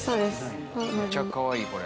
めちゃかわいいこれ。